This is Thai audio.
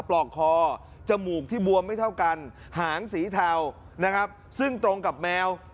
ปลอกคอจมูกที่บวมไม่เท่ากันหางสีเทานะครับซึ่งตรงกับแมว